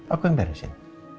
aku yang beresin